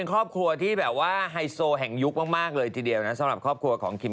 อ๋อนามสกุลเวสต์ตั้งชื่อว่านอร์ด